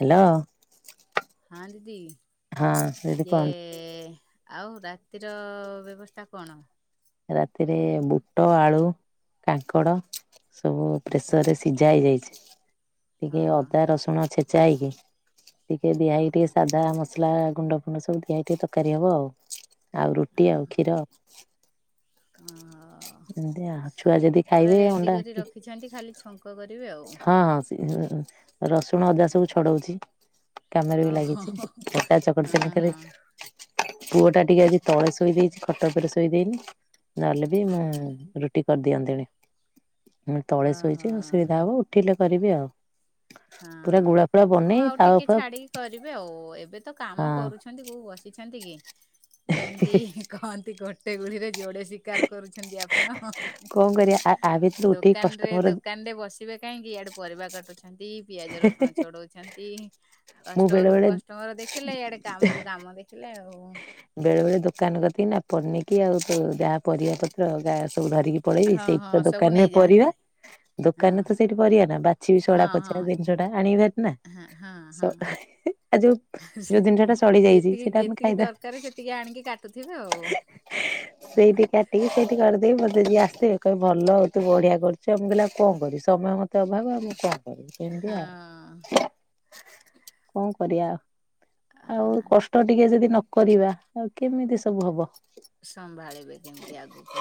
Hello ହଁ ଦିଦି, ହଁ ଦିଦି ୟେ କୁହନ୍ତୁ ଆଉ ରାତିର ବ୍ୟବସ୍ଥା କଣ? ରାତିରେ ବୁଟ, ଆଳୁ, କାଙ୍କଡ ସବୁ ହଁ ପ୍ରେସରରେ ସିଝ ସିଜା ହେଇଯାଇଚି, ଟିକେ ଓହୋ ଅଦା ରସୁଣ ଛେଚା ହେଇକି ଟିକେ ଦିଆ ହେଇ ଓହୋ ଟିକେ, ସାଧା ମସଲା ଗୁଣ୍ଡ ଫୁଣ୍ଡ ସବୁ ଦିଆ ହ ଟିକେ ତରକାରୀ ହବ ଆଉ। ଆଉ ରୁଟି ଆଉ, କ୍ଷୀର। ଅ ଏମତି ଆଉ, ଛୁଆ ଯଦି ଖାଇବେ ଅଣ୍ଡା କି କ କରିବି ଆଉ। ହଁ, ସିଏ ଓ ରସୁଣ ଅଦା ହୋ ସବୁ ଛଡଉଚି। କାମରେ ବି ହଁ ଲାଗିଚି, ଅଟା ଚକଟି ହଁ ସାଇଲିଣି, ହଁ ଖାଲି ପୁଅ ଟା ଟିକେ ଆଜି ତଳେ ଶୋଇ ଦେଇଚି, ଖଟ ଉପରେ ଶୋଇ ଦେଇନି। ନହେଲେ ବି ମୁଁ ରୁଟି କରିଦିଅନ୍ତିଣି, ମୁଁ ତଳେ ଓହୋ ଶୋଇଚି ବ ଅସୁବିଧା ହବ, ଉଠିଲେ କରିବି ଆଉ, ହଁ। ପୁରା ଗୁଳା ଫୁଳା ହଁ, ବନେଇ ଆଉ ତାୱା ଟିକେ ଫାୱା ହଁ ଛାଡିକି କରିବେ ଆଉ, ଏବେ ତ କାମ କରୁଛନ୍ତି କୋଉ ବସିଛନ୍ତି କି? ଯେମତି କହନ୍ତି, ଗୋଟେ ଗୁଳିରେ ଯୋଡେ ଶିକାର କରୁଛନ୍ତି ଆପଣ। ଆପଣ, ହେଁ ହେଁ କଣ କରିବା ଆ ଆ ଭିତରୁ ହେଁ, ଉଠିକି ଦୋକାନରେ କଷ୍ଟମର ଦୋକାନରେ ବସି ବସିବେ କାହିଁକି? ଇଆଡେ ପରିବା କାଟୁଛନ୍ତି ପିଆଜ ରସୁଣ ଛଡଉଛନ୍ତି, ମୁଁ ବେଳେ କଷ୍ଟମର କୁ ବେଳେ କଷ୍ଟମର ଦେଖିଲେ, ଇଆଡେ କାମକୁ କାମ ଦେଖ- ଦେଖିଲେ ଆଉ। ବେଳେ ବେଳେ ଦୋକାନ କରିତିକି ନା, ପନିକିି ଆଉ ତ ଯାହା ପରିବା ପତ୍ର ଗା ସବୁ ଧରିକି ପଳେଇବି, ହଁ ସେଇ ହଁ ତ ସବୁ ଦୋକାନରେ ନେଇଯାଆନ୍ତି ପରିବା ହଁ ଦୋକାନରେ ତ ସେଇଠି ପରିବା ନା, ବାଛିିବି ସଡା ହଁ ପୋଚା ହଁ। ଜିନିଷ ଟା ଆଣିବି ଭାରି ନା। ହଁ ହଁ ହଁ ଆ ଯୋଉ, ସେ ଯୋଉ ଜିନିଷଟା ସଡି ଯାଇଚି, ଯେତିକି ସେଇଟା ଆମେ ଖା ଯେତିକି ଦରକାର, ସେତିକି ଆଣିକି କାଟୁଥିବେ ଆଉ। ଟିକେ ସେଇଠି କାଟିଦେବି, ମତେ ଯିଏ ଆସିବେ, କହେ ଭଲ ଆଉ ତୁ ବଢିଆ କରୁଚୁ ଆ। ମୁଁ କହିଲି ଆଉ କଣ କରିବି, ସମୟ ମତ- ସମୟ ଅଭାବ, ମୁଁ କଣ କରିବି, ଏମିତି ଆଉ? ହଁ। କଣ କରିବା ଆଉ? କଷ୍ଟ ଟିକେ ଯଦି ନ କରିବା, ଆଉ କେମିତି ସବୁ ହବ? ସମ୍ଭାଳିବେ କେମିତି ଆଗକୁ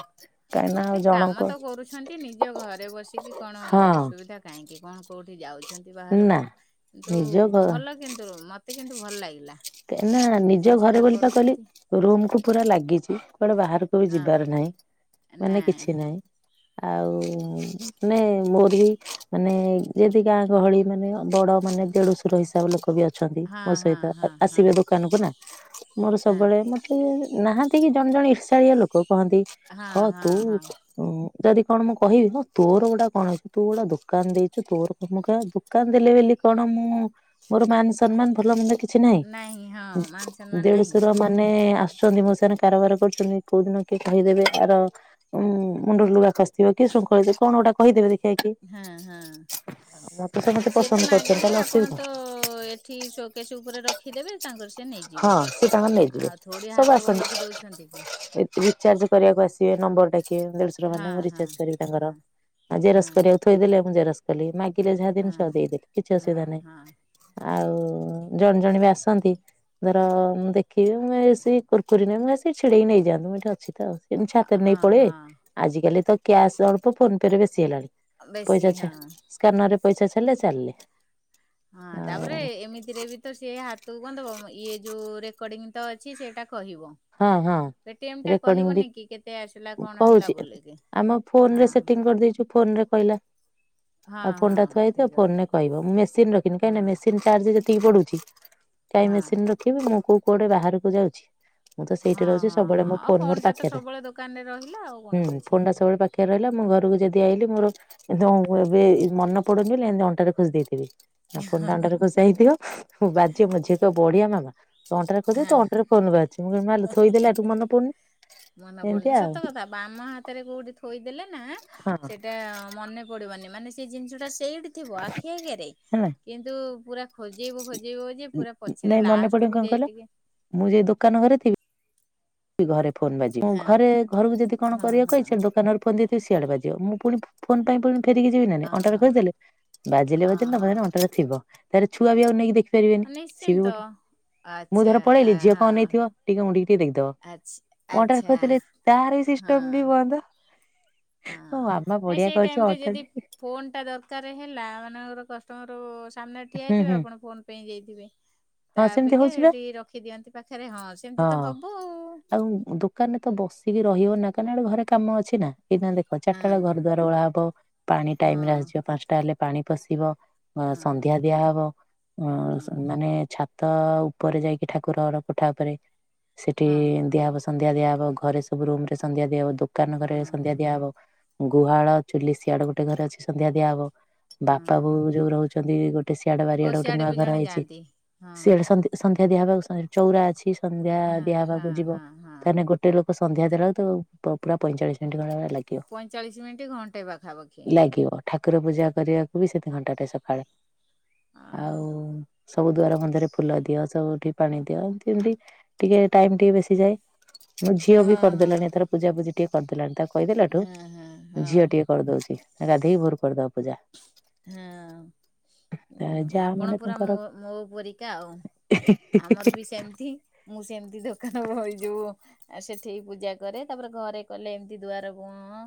କାହିଁକି ନା ଆଉ ଏ କାମ ଜଣଙ୍କ ତ କରୁଛନ୍ତି, ନିଜ ଘରେ ବସିକି କଣ ହଁ ଅସୁବିଧା କାହିଁକି? କଣ କୋଉଠି ଯାଉଛ ଯାଉଚନ୍ତି ନା ବାହାରକୁ, କିନ୍ତୁ ନିଜ ଘ ଭଲ କିନ୍ତୁ, ମତେ କିନ୍ତୁ ଭଲ ଲାଗିଲା? ନା, ଯୋଉ ନିଜ ଜିନିଷ ଘରେ ଟା ବୋଲି ପା କରୁଛନ୍ତି କହିଲି ରୁମ କୁ ପୁରା ଲାଗିଚି, କୁଆଡେ ବାହାରକୁ ବି ହଁ ଯିବାର ନାହିଁ, ନା ମାନେ କିଛି ନାହିଁ। ନାଇଁ, ଆଉ ମାନେ ମୋର ବି ମାନେ, ଯଦି ଗାଁ ଗହଳି, ମାନେ ବଡ ମାନେ ଦେଢସୁର ହିସାବ ଲୋକ ବି ଅ ଅଛନ୍ତି ହଁ ମୋ ହଁ ସହିତ ହଁ ହଁ ଆସିବେ ଦୋକାନ କ ନା। ମୋର ହଁ ସବୁବେଳେ ନାହାନ୍ତି କି ଜଣେ ଜଣେ ଇର୍ଷାଳିଆ ଲୋକ କହନ୍ତି। ହଁ ତୁ ହଁ ଯଦି କଣ ମୁଁ କହିବି? ହଁ, ତୋର ଗୋଟା କଣ ଅଛି ତୁ ଗୋଟେ ଦୋକାନ ଦେଇଛୁ ତୋର ତ ମୁଁ କ ଦୋକାନ ଦେଲେ ବୋଲି କଣ, ମୁଁ ମୋର ମାନ ସମ୍ମାନ ଭଲ ମନ୍ଦ କି କିଛି ନାଇଁ ନାହିଁ ହଁ ମାନ ସମ୍ମାନ ନାହିଁ ଦେଢଶୁର ମାନେ ଆସୁଛନ୍ତି ମୋ କାରବାର କରୁଛନ୍ତି କୋଉଦିନ କିଏ କହିଦେବେ ଆର ଉଁ ମୁଣ୍ଡରେ ଲୁଗା ଖସିଥିବ କି ଶୃଙ୍ଖଳ କଣ ଗୋଟା କହିଦେବେ? ଦେଖିବା କିଏ ହଁ ହଁ ମତେ ସମସ୍ତେ ସିଏ ପସନ୍ଦ ତ କରୁଛନ୍ତି ମାଗିଲେ ତାହେଲେ ଆପଣ ଅସୁବିଧା ତ ଠିକ୍ ସକେଶ ଉପରେ ରଖିଦେବେ। ତାଙ୍କର ସେ ନେଇଯିବେ, ହଁ ସେ ତାଙ୍କର ନେଇଯିବେ ଆଉ ଥୋଡିଆ ସବୁ ହାତ ଆସନ୍ତି ବଢେଇକି ଦଉଛନ୍ତି କି। ରିଚାର୍ଜ କରିବାକୁ ଆସିବେ ନମ୍ବର ଡାକେ ଦେଢଶୁର ହଁ ମାନେ ମୁଁ ହଁ ରିଚାର୍ଜ କରିବି ତାଙ୍କର ହଁ ଆଉ ଜେରସ୍ ହଁ କରିବାକୁ ଥୋଇଦେଲେ ମୁଁ ଜେରସ କଲି, ମାଗିଲେ ଯାହା ହଁ ଜିନିଷ ଦେଇଦେଲି କିଛି ହଁ ଅସୁବିଧା ନାହିଁ। ହଁ ଆଉ ଜଣେ ଜଣେ ବି ଆସନ୍ତି। ଧର ମୁଁ ଦେଖିବି ମୁ ସେ କୁର୍ କୁରୀ ନେ ସେ ଛିଡେଇକି ନେଇଯାଆନ୍ତୁ ମୁଁ ଏଠି ଅଛି ତ ଆଉ। ଏମିତି ଛାତରେ ନେଇ ହଁ ପଳେଇ। ହଁ ଆଜିକାଲି ତ କ୍ୟାସ୍ ଅଳ୍ପ ଫୋନ ପେ ରେ ବେଶୀ ହେଲାଣି ପଇ ବେଶୀ ହଁ। [unintelligible] ସ୍କାନର ରେ ପଇସା ଛଡ଼ିଲେ ଚାଲିଲେ। ହଁ ତାପରେ ଆଉ ଏମିତିରେ ବି ତ ସେ ହାତକୁ କଣ ଦବ ଇଏ ଯୋଉ ରେକଡିଙ୍ଗ ଅଛି ସେଇଟା କହିବ। ହଁ ହଁ। ପେଟିଏମ୍ ଟା ରେ କହିବନି କି କେତେ ଆସିଲା କଣ ହେଲା କହୁଛି ବୋଲିକି ଆମ ହଁ। ଫୋନରେ ସେଟି କରିଦେଇ [unintelligible] ଫୋନ କହିଲ, ହଁ ଆଉ ଫୋନ୍ ହଁ ଟା ଥୁଆହେଇ ସେଇ ଥିବ କଥା ଫୋନରେ କହିବ, ମୁଁ ମେସିନ ରଖିନି କାହିଁକି ହଁ ନା ଚାର୍ଜ ଯେତିକି ପଡୁଛି। କାଇ ହଁ। ମେସିନ ରଖିବି ମୁଁ କୋଉ କୁଆଡେ ବାହାରକୁ ଯାଉଛି। ମୁଁ ତ ହଁ ସେଇଠି ହଁ ରହୁଛି ସବୁବେଳେ ହଁ ମୋ ଆଉ ଫୋନ ଫୋନ୍ ମୋର ଟା ତ ପାଖରେ। ସବୁବେଳେ ଦୋକାନରେ ରହିଲା ଆଉ କଣ ହୁଁ ଅଛି। ଫୋନ ଟା ସବୁବେ ପା- ଆରେ ରହିଲା ମୁଁ ଘରକୁ ଯଦି ଆଇିଲି ମୋର ତ ଏବେ ମନେ ପଡୁନି ବୋଲି ଏମିତି ଅଣ୍ଟାରେ ଖୋସି ଦେଇଥିବି, ଫୋନଟା ଅଣ୍ଟାରେ ଖୋସା ହେଇଥିବ। ମୁଁ ବାଜିବ ମ ଝିଅ ତ ବଢିଆ ମାମା। ତୁ ଅଣ୍ଟାରେ ଖୋଚି ଦେଇଚୁ ହଁ ତୋ ଅଣ୍ଟରେ ଫୋନ ବା [unintelligible] ମାଆ ଲୋ ଥୋଇଦେଲେ ମନ ପଡନି ମନେ ପଡୁନି ଏମିତି ଆଉ। ସତ କଥା ବାମ ହାତରେ କୋଉଠି ଥୋଇଦେଲେ ନା ହଁ। ସେଇଟା ମନେ ପଡିବନି, ମାନେ ସେ ଜିନିଷ ଟା ସେଇଠି ଥିବ ଆଖି ଆଗରେ ହେଲା କିନ୍ତୁ ପୁରା ଖୋଜେଇବୁ ଖୋଜେଇବ ଯେ ପୁରା ପଛରେ ନାଇଁ ମନେ ପଡିବ ଲାଷ୍ଟକୁୁ କଣ ଯାଇ। କହିଲ ଟିକେ ମୁଁ ଯାଇ ଦୋକାନ ଘରେ ଥିବି ଘରେ ଫୋନ ବାଜିିବ ମୁଁ ହଁ। ଘରେ ଘରକୁ ଯଦି କଣ ହଁ କରିବେ ହଁ। କହିଛନ୍ତି ଦୋକାନ ଫୋନ ଦେଇି ସିଆଡ଼େ ରେ ବାଯିବ ମୁଁ ପୁଣି ଫୋନ୍ ପାଇଁ ଫେରିକି ଯିବି ନାଁ ନାଇଁ ଅଣ୍ଟା ଓହୋ ଖୋଲିଦେଲେ ବାଜିଲେ ହଁ ବାଜିଲେ ତମେ ହଁ ଅଣ୍ଟା ଥିବ, ତାହେଲେ ଛୁଆ ବି ଆଉ ନେଇକି ଦେଖିବେ। ପାରିବେନି ସିଏ ବି ନିଶ୍ଚିନ୍ତ। ଗୋଟେ ମୁଁ ଆଚ୍ଛା ଧର ପଳେଇଲି ଝିଅ ତ ହଁ କଣ ନେଇଥିବ ଟିକେ ମୁଁ ଟିକେ ଆଚ୍ଛା ଆଚ୍ଛା ଟିକେ [unintelligible] ତାର ହଁ। ସିଷ୍ଟମ ବି ବନ୍ଦ। ହଁ ମୋ ମାମା ନାଇଁ ବଢିଆ ସେଇ କରିଛି ଟାଇମ ରେ ଯଦି ଅଣ୍ଟାରେ ଫୋନ୍ ଟା ଦର ର ହେଲା ମାନଙ୍କର କଷ୍ଟମର ସାମ୍ନାରେ ଠିଆ ହୁଁ ହେଇଥିବ ହୁଁ ଆପଣ ଫୋନ ପାଇଁ ଯାଇଥିବେ। ହଁ ତା ସେମିତି ଅପେକ୍ଷା ହଉଛି ବା ଏଇଠି ରଖିଦିଅନ୍ତି ପାଖରେ ହଁ ସେମିତି ତ ହଁ। ହବ ଆଉ। ଆଉ ଦୁ କଁ ତ ବସିକି ରହିବ ନା କାହିଁକ ଆଡେ ଘରେ କାମ ଅଛି ନା ଏ ନା ଦେଖ ଚାରିଟାଟେ ଆଉ ଘର ଦ୍ୱାର ଓଳା ହବ। ପାଣି ଟାଇମ ରେ ହଁ। ଆସିଯିବ ପାଞ୍ଚଟା ହେଲେ ପାଣି ପଶିବ। ଅ ହଁ ସନ୍ଧ୍ୟା ଦିଆହବ, ହଁ ମାନେ ଛା ତ ଉପରେ ଯାଇକି ଠାକୁର ଘର କୋଠା ଉପରେ। ସେଠି ହଁ ଏମତିଆ ହବ ସନ୍ଧ୍ୟା ଦିଆହବ ଘରେ ସବୁ ରୁମ ରେ ସନ୍ଧ୍ୟା ଦିଆ ହବ ଦୁ କାନ ହଁ ଘରେ ହଁ ସନ୍ଧ୍ୟା ଦିଆ ହବ ଗୁହାଳ ଚୁଲି ସିଆଡ ଗୋଟେ ଘରେ ଅଛି ସନ୍ଧ୍ୟା ଦିଆହବ। ବାପା ହଁ। ବୋଉ ଯୋଉ ରହୁଛନ୍ତି ଗୋଟେ ସିଆଡେ ଓ ବାରିଆଡେ ଗୋଟେ ସିଆଡେ ନୂଆ ବି ଘର ଜଣେ ହେଇଛି ଯାଆନ୍ତି ହଁ ସିଆଡେ ସନ୍ଧ୍ ସନ୍ଧ୍ୟା ଦିଆ ହବାକୁ ସ ଚଉରା ଅଛି ସନ୍ଧ୍ୟା ହଁ ଦିଆ ହେବାକୁ ହଁ ଯିବ ହଁ ହଁ। ତାହେନେ ଗୋ ଗୋଟେ ଲୋକ ସନ୍ଧ୍ୟା ଦେଲାବେଳେକୁ ତାକୁ ପୁ ପୁ ପୁରା ପଇଁଚାଳିଶ ମିନିଟ ଖଣ୍ଡେ [unintelligible] ପଇଁଚାଳିଶି ମିନିଟ ଘଣ୍ଟେ ପାଖାପାଖି। ଲାଗିବ ଠାକୁର ପୂଜା କରିବାକୁ ବି ସେଥି ଘଣ୍ଟାଟେ ସଖାଳେ। ଆଉ ସବୁ ଦୁଆର ବନ୍ଧରେ ଫୁଲ ଦିଅ ସବୁଠି ପାଣି ଦିଅ ଏମିତି ଏମିତି ଟିକେ ଟାଇମ ଟିକେ ବେଶି ଯାଏ ମୋ ଝିଅ ବି ହଁ କରିଦେଲାଣି ହଁ। ଏଥର ପୂଜା ପୂଜି ଟିକେ କରିଦେଲାଣି ତାକୁ କହିଦେଲାଠୁ ହଁ ହଁ ହଁ ଝିଅ ଟିକେ କରିଦଉଛି ଗାଧେଇ ଭୋର କରିଦବା ପୂଜା। ହଁ। ହୁଁ ଯା ଆପଣ ମାନେ ପୁରା ତାଙ୍କର ମୋ ମୋ ପରରିକା ଆଉ ଆମର ବି ସେମିତି ମୁଁ ସେମିତି ଦୋକାନ [unintelligible] ଯୋଉ ଆଉ ସେଠିକି ପୂଜା କରେ ତାପରେ ଘରେ କଲେ ଏମିତି ଦୁଆର ମୁଁହ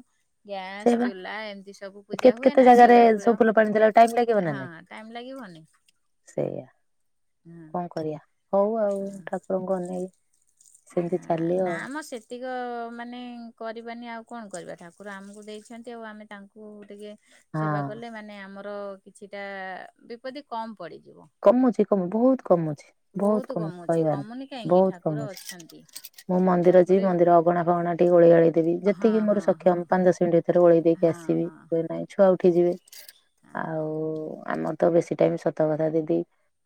ସେଇ ଗ୍ୟାସ ବା ଚୁଲା ଏମିତି ସବୁ ପୂଜା କେତେ ହୁଏ କେତେ ନା ଜାଗାରେ ଶିଳ ସବୁ ଫିଳ ଫୁଲ ପାଣି ଦେଲାବେଳକୁ ଟାଇମ୍ ଲାଗିବ ନା ହଁ ନାଇଁ ଟାଇମ ଲାଗିବନି ସେଇୟା। ହଁ କଣ କରିବା ହଉ ଆଉ ଠାକୁରଙ୍କୁ ଅନେଇ ସେମିତି ଆଁ ଚାଲିବ ନା ମ ସେ ତିକ ମାନେ କରିବାନି ଆଉ କଣ କରିବା ଠାକୁର ଆମକୁ ଦେଇଛନ୍ତି ଆଉ ଆମେ ତାଙ୍କୁ ଟିକେ ସେବା ଆଉ ହଁ। କଲେ ମାନେ ଆମର କିଛିଟା ବିପତ୍ତି କମ ପଡିଯିବ। କମୁଛି କମୁ ବହୁତ କମୁଛି ବହୁତ କମୁ କମୁଛି କହିବାର କମୁନି ନାହିଁ କାହିଁକି ବହୁତ କମୁ ଠାକୁର ଅଛି। ଅଛନ୍ତି ମୁଁ ମନ୍ଦିର ଯିବି ତାପରେ ମନ୍ଦିର ଅଗଣା ଫଗଣା ଟିକେ ଓଳେଇ ଆଳେଇ ଦେବି ହଁ ଯେତିକି ମୋର ହଁ ହଁ ସକ୍ଷମ ପାଞ୍ଚ ଦଶ ମିନିଟ୍ ସେଇଠୁ ଓଳେଇ ଦେଇକି ହଁ ଆସିବି ହଁ କୁହେ ନାହିଁ ଛୁଆ ଉଠି ଯିବେ ହଁ ଆଉ ଆମର ତ ବେଶୀ ଟାଇମ ସତ କଥା ଦି ଦେଇ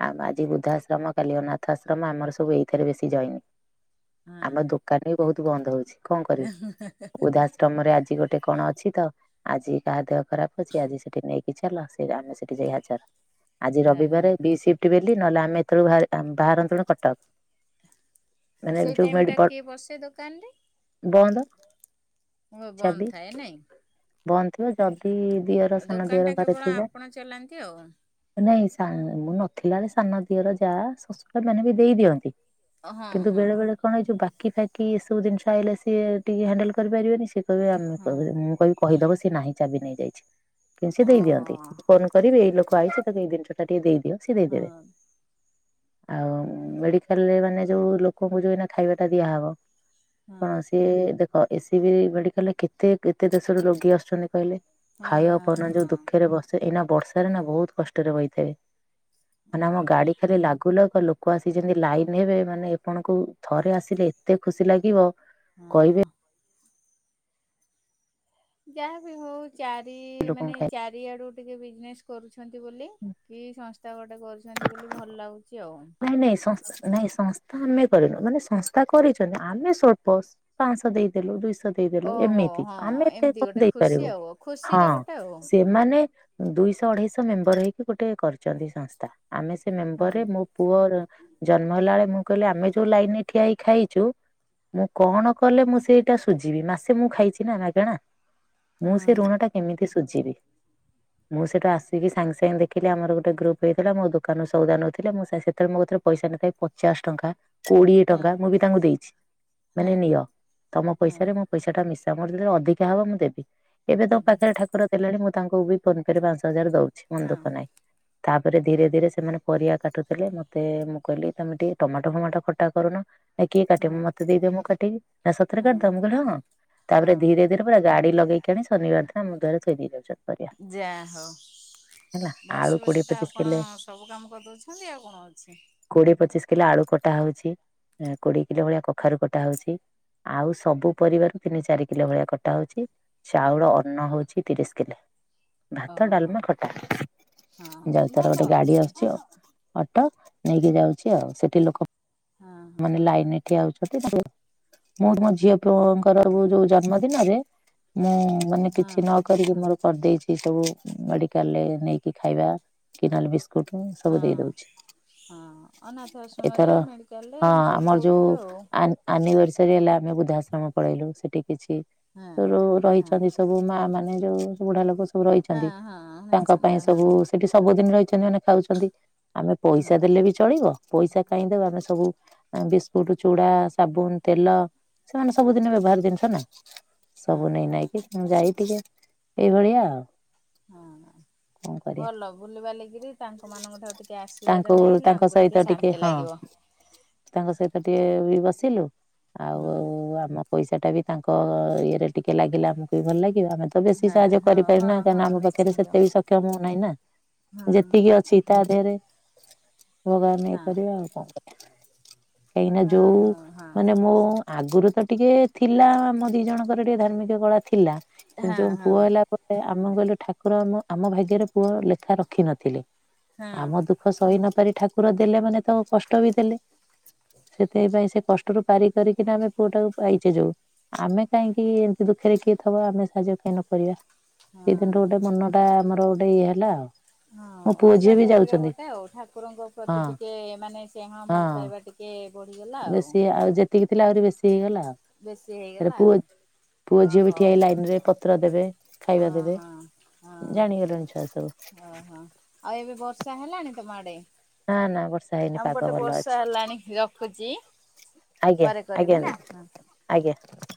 ଆଉ ଆଜି ବୃଦ୍ଧା ଆଶ୍ରମ କାଲି ଅନାଥ ଆଶ୍ରମ ଆମର ସବୁ ଏଇଥିରେ ବେଶୀ ଜଏନି। ହଁ ଆମ ଦୋକାନ ବି ବହୁତ ବନ୍ଦ ହଉଛି କଣ କରିବି ଉଦାସ ଷ୍ଟମରେ ଆଜି ଗୋଟେ କଣ ଅଛି ତ! ଆଜି କାହା ଦେହ ଖରାପ ଅଛି ଆଜି ସେଠି ନେଇକି ଚାଲ ସେଠି ଆମେ ସେଠି ଯାଇ ହାଜର। ଆଜି ହଁ ହଁ ରବିବାରେ ବି ସିଫ୍ଟ ବେଲି ନହେଲେ ଆମେ ଏତଳୁ ବାହାରିଥାନ୍ତୁ ବାହାରନ୍ତଣୁ କଟକ। ଆଉ ମାନେ ସେଇ ଯୋଉ ଟାଇମ ଟା କିଏ ବସେ ଦୋକାନରେ? ବନ୍ଦ ହଁ ବନ୍ଦ ଚାବି ଥାଏ ନାଇଁ? ବନ୍ଦ ଥିବ ଯଦି ଦିଅର ସାନ ଦୋକାନ ଦିଅର ଟା ଘରେ କେବଳ ଥିବ ଆପଣ ଚଲାନ୍ତି ଆଉ। ନାଇଁ ସା ମୁଁ ନଥିଲାବେଳେ ସାନ ଦିଅର ଯାଆ ଶଶୁରମାନେ ବି ଦେଇ ଦିଅନ୍ତି ହଁ କିନ୍ତୁ ହଁ ବେଳେ ବେଳେ କଣ ଏଇ ଯୋଉ ବାକି ଫାକି ଏ ସବୁ ଜିନିଷ ଆଇଲେ ସିଏ ଟିକେ ହ୍ୟାଣ୍ଡେଲ କରିପାରିବେନି ଶ୍ ସିଏ କହିବେ ଆମେ ହଁ କହିବୁନି ମୁଁ କହିବି କହିଦବ ସିଏ ନାହିଁ ଚାବି ନେଇଯାଇଛି, କିନ୍ତୁ ସିଏ ଓହୋ ଦେଇଦିଅନ୍ତି ଫୋନ୍ କରିବେ ଏଇ ଲୋକ ଆଇଛି ତାକୁ ଏଇ ଜିନିଷ ଟା ଟିକେ ଦେଇଦିଅ ସିଏ ଦେଇଦେବେ। ହଁ ଆଉ ମେଡିକାଲରେ ମାନେ ଯୋଉ ଲୋକଙ୍କୁ ଯୋଉ ଏଇନା ଖାଇବା ଟା ଦିଆହେବ ହଁ। କଣ ସିଏ ଦେଖ ଏ ସି ବି ମେଡିକାଲରେ କେତେ କେତେ ଦେଶ ର ରୋଗୀ ଆସୁଛନ୍ତି କହିଲେ? ହଁ ଖାଇବାକୁ ହଁ ପାଉନାହାନ୍ତି ଯୋଉ ଦୁଃଖରେ ବସିଥିବେ ଏଇନା ବର୍ଷାରେ ନା ବହୁତ କଷ୍ଟରେ ରହିଥେବେ। ମାନେ ଆମ ହଁ ଗାଡି ଖାଲି ଲାଗୁ ଲାଗୁ ଲୋ ଲୋକ ଆସି ଯେମତି ଲାଇନ ହେବେ ମାନେ ଆପଣଙ୍କୁ ଥରେ ଆସିଲେ ଏତେ ଖୁସି ଲାଗିବ ହଁ। କହିବେ ଯାହା ବି ହଉ ଚାରି ଲୋକଙ୍କୁ ମାନେ ଖାଇ ଚାରିଆଡୁ ଟିକେ ବିଜନେସ କରୁଛନ୍ତି ବୋଲି, କି ସଂସ୍ଥା ଗୋଟେ କରୁଚନ୍ତି ବୋଲି ଭଲ ଲାଗୁଚି ଆଉ। ନାଇଁ ନାଇଁ ସ ନାଇଁ ସଂସ୍ଥା ଆମେ କରିନୁ ମାନେ ସଂସ୍ଥା କରିଚନ୍ତି, ଆମେ ସ୍ୱଳ୍ପ ପାଶହ ଦେଇ ଦେଲୁ ଦୁଇଶହ ଦେଇଦେଲୁ ଓହୋ ଏମିତି ଆମେ ହଁ ଏତେ ଏମିତି କଣ ଗୋଟେ ଖୁସି ଦେଇପାରିବୁ ଆଉ ଖୁସିରେ ହଁ ଗୋଟେ ଆଉ ସେ ମାନେ ଦୁଇଶହ ଅଢେଇଶହ ମେମ୍ବର ହେଇକି ଗୋଟେ କରିଚନ୍ତି ସଂସ୍ଥା, ଆମେ ସେ ମେମ୍ବର ରେ ହଁ। ମୋ ପୁଅର ଜନ୍ମ ହେଲା ବେଳେ ମୁଁ କହିଲି ଆମେ ଯୋଉ ଲାଇନ ଠିଆ ହେଇ ଖାଇଚୁ ମୁଁ କଣ କଲେ ମୁଁ ସେଇଟା ସୁଝିବି, ମାସେ ମୁଁ ଖାଇଚି ନା ମାଗେଣା। ହଁ ମୁଁ ସେ ଋଣ ଟା କେମିତି ସୁଯିବି? ମୁଁ ସେଇଠୁ ଆସିକି ସାଙ୍ଗେ ସାଙ୍ଗେ ଦେଖିଲି ଆମର ଗୋଟେ ଗ୍ରୁପ ହେଇଥିଲା, ମୋ ଦୋକାନରୁ ସଉଦା ନଉଥିଲା ମୁଁ ସେ ସେତେବେଳେ ମୋ କତିରେ ପଇସା ନଥାଏ ପଚାଶ ଟଙ୍କା। କୋଡିଏ ହଁ ଟଙ୍କା ମୁଁ ବି ତାଙ୍କୁ ଦେଇଛି, ହଁ ମାନେ ନିଅ ତମ ହଁ। ପଇସାରେ ମୁଁ ପଇସା ଟା ମିଶା, ମୋର [unintelligible] ଅଧିକା ହବ ମୁଁ ଦେବି ଏବେ ତମ ଦେବି। ପାଖରେ ଠାକୁର ହେଲାଣି ମୁଁ ତାଙ୍କୁ ବି ଫୋନ ପେ ରେ ପାଞ୍ଚ ହଜାର ଦଉଛି, ମନ ଦୁଃଖ ହଁ। ନହିଁ। ତାପରେ ଧୀରେ ଧୀରେ ସେମାନେ ପରିବା କାଟୁ ଥିଲେ ମତେ, ମୁଁ କହିଲି ତମେ ଟିକେ ଟମାଟୋ ଫମାଟୋ ଖଟା କରୁନ। ଏ କିଏ କାଟିବ ହଁ ମତେ ଦେଇଦିଅ ମୁଁ କଟିବି ନା ସତରେ ହଁ। କାଟିଦ ମୁଁ କହିଲି ହଁ। ତାପରେ ହଁ ଧୀରେ ଧୀରେ ପୁରା ଗାଡି ଲଗେଇକି ଆଣି ଶନିବାର ଦିନ ଆମ ଦୁଆରେ ଥୋଇଦେଇ ଯାଇଚନ୍ତି ପରିବା। ଯାଆ ହଉ। ହେଲା ବସି ଆଳୁ ବସି କୋଡିଏ ତ ପଚିଶ ଆପଣ କିଲେ। ସବୁ କାମ କରିଦଉଛନ୍ତି ଆଉ କଣ ଅଛି। କୋଡିଏ ପଚିଶ କିଲୋ ଆଳୁ କଟା ହଉଛି, କୋଡିଏ କିଲୋ ଭଳିଆ କଖାରୁ କଟା ହଉଛି। ଆଉ ସବୁ ପରିବାରୁ ତିନି ଚାରି କିଲୋ ଭଳିଆ କଟା ହଉଛି। ଚାଉଳ ଅନ୍ନ ହଉଚି ତିରିଶ କିଲେ। ଭାତ, ଓହୋ ଡାଲମା, ଖଟା ହଁ ଯାଉ ତାର ଭଲ ଗୋଟେ ଗାଡି ଅଛି ଆଉ। ଅଟ ନେଇକି ଯାଉଚି ଆଉ ସେଠି ଲୋକ ହଁ ହଁ ମାନେ ଲାଇନରେ ଠିଆ ହଉଚନ୍ତି ଆଉ [unintelligible] ମୁଁ ମୋ ଝିଅ ପୁଅଙ୍କର ହଁ। ଯୋଉ ଜ ନ୍ମ ଦିନରେ ମୁଁ ମାନେ କିଛି ହଁ ନ କରିକି ମୋର କରିଦେଇଚି ସବୁ ମେଡିକାଲରେ ନେଇକି ଖାଇବା କି ନହଲେ ବିସ୍‌ କୁଟୁ ସବୁ ଦେଇ ହଁ ହଁ ଦଉଛି ଅନାଥ ଆଶ୍ରମରେ ଏଥର ମେଡିକାଲରେ ହଁ ଏମିତି ସବୁ ଆମର ଯୋଉ ଦଉଥିବେ ଆଉ। ଆନ୍‌ ଆନିବର୍ଷରି ହେଲା ଆମେ ବୃଦ୍ଧାଶ୍ରମ ପଳେଇଲୁ, ସେଠି କିଛି ହଁ ରୁ ହଁ ରହିଚନ୍ତି ସବୁ ମା ମାନେ ଯୋଉ ବୁଢା ଲୋକ ସ ସବୁ ହଁ ରହିଚନ୍ତି ହଁ ତାଙ୍କ ନିଶ୍ଚିନ୍ତ ପାଇଁ ହଁ ସବୁ ସେଠି ସବୁଦିନି ରହିଚନ୍ତି ମାନେ ଖାଉଚନ୍ତି ଆମେ ହଁ ପଇସା ଦେଲେ ବି ଚଳିବ ପଇସା କାଇଁଦେବା ଆମେ ସବୁ ବିସ୍କୁଟ, ଚୁଡା, ସାବୁନ, ତେଲ ସେମାନେ ସବୁଦିନ ବ୍ୟବହାର ଜିନିଷ ନା ହଁ। ସବୁ ନେଇ ନାଇ କି ମୁଁ ଯାଇ ଟିକେ ଏଇଭଳିଆ ଆଉ। ହଁ ହଁ। କଣ କରିବା ଭଲ ବୁଲିବାଲିକିରି ତାଙ୍କ ମାନଙ୍କ ଠାରୁ ଟିକେ ତାଙ୍କୁ ଆଶୀର୍ବାଦ ନେଇଗଲେ ତାଙ୍କ ଆମକୁ ସହିତ ଟିକେ ଶାନ୍ତି ହଁ ଲାଗିବ। ତାଙ୍କ ସହିତ ଟିକେ ବି ବସିଲୁ ଆଉ ହୁଁ ଆଉ ଆମ ପଇସା ଟା ବି ତାଙ୍କ ଇଏରେ ଟିକେ ଲାଗିଲା ଆମକୁ ବି ଭଲ ଲାଗିବ, ଆମେ ତ ବେଶୀ ହଁ ସାହାଯ୍ୟ ହଁ ହଁ କରିପାରେନା ହଁ କାଇଁନା ଆମ ପାଖରେ ନିଶ୍ଚିନ୍ତ ସେତେ ବି ସକ୍ଷମ ନାହିଁ ନା। ହଁ ଯେତିକି ଅଛି ତା ଦେହେରେ ଭଗବାନ ଇଏ କରିବେ ଆଉ କଣ କରି ଆ ଏଇନା ଯୋଉ ମାନେ ମୋ ଆଗୁରୁ ତ ଟିକିଏଥିଲା ଆମ ଦି ଜଣଙ୍କର ଟିକିଏ ଧାର୍ମିକ କଳା ଥିଲା କିନ୍ତୁ ହଁ ଯୋଉ ହଁ ପୁଅ ହେଲା ପରେ ଏ ଆମ କହିଲେ ଠାକୁର ମ-ଆମ ଭାଗ୍ୟରେ ପୁଅ ଲେଖା ରଖିିନଥିଲେ। ହଁ ଆମ ଦୁଃ ଖ ସହି ନ ପାରି ଠାକୁର ଦେଲେ ମାନେ ତ କଷ୍ଟ ବି ଦେଲେ। ସେଥିପାଇଁ ସେ କଷ୍ ଟରୁ ପାରି କରିକିନା ଆମେ ପୁଅଟାକୁ ପାଇଚେ ଯୋଉ ଆମେ କାଇଁକି ଏମିତି ଦୁଃଖରେ କିଏ ଥବ ଆମେ ସାହାଯ୍ୟ କାଇଁ ନ କରିବା। ସେଇଦିନରୁ ହଁ। ଗୋଟେ ମନ ଟା ଆମର ଗୋଟେ ଇଏ ହେଲା ଆଉ। ହଁ ମୋ ପୁଅ ଝିଅ ଅଲଗା ବି ଟାଇପ୍ ର ଯାଉଛନ୍ତି ଗୋଟେ ଆଉ ଠାକୁରଙ୍କ ହଁ ପ୍ରତି ଟିକିଏ ମାନେ ସ୍ନେହ ହଁ ଭଲ ପାଇବା ଟିକ କେ ବଢିଗଲା। ଆଉ ବେଶୀ ଆଉ ଯେତିକି ଥିଲା ଆହୁରି ବେଶୀ ହେଇଗଲା ଆଉ। ବେଶୀ ହେଲେ ହେଇଗଲା। ପୁଅ ପୁଅ ଅ ଝିଅ ବି ଠିଆ ହଉ ହେଇ ଲାଇନ୍ ରେ ପତ୍ର ଦେବେ, ଖାଇବା ହଁ ଦେବେ, ଜାଣିଗଲେଣି ଛୁଆ ସବୁ। ଓ ହଁ, ଆଉ ଏବେ ବର୍ଷା ହେଲାଣି ତୋମ ଆଡେ? ନା ନା ବର୍ଷା ଷା ହେଇନି ଆମ ପାଗ ପଟେ ଭଲ ବର୍ଷା ଅଛି। ହେଲାଣି ରଖୁଛି ଆଜ୍ଞା, ପରେ କରିବି ଆଜ୍ଞା ନା ଦି। ହଁ। ଆଜ୍ଞା।